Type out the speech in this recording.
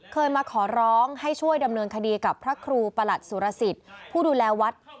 เคยมาขอร้องให้ช่วยดำเนินคดีกับพระครูประหลัดสุรสิทธิ์ผู้ดูแลวัด